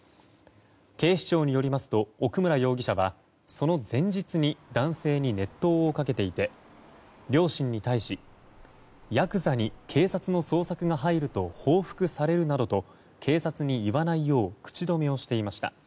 警視庁によりますと奥村容疑者はその前日に男性に熱湯をかけていて両親に対しやくざに警察の捜索が入ると報復されるなどと警察に言わないよう口止めをしていました。